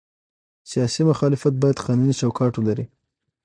سیاسي مخالفت باید قانوني چوکاټ ولري